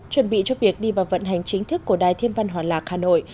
chuẩn bị cho việc đi vào vận hành chính thức của đài thiên văn hòa lạc hà nội